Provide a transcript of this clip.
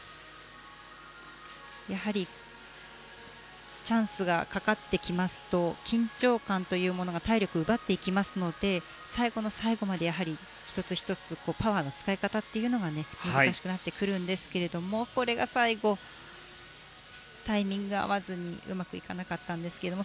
やはりチャンスがかかってきますと緊張感というものが体力を奪っていきますので最後の最後まで、１つ１つパワーの使い方が難しくなってくるんですがこれが最後タイミングが合わずにうまくいかなかったんですけれども。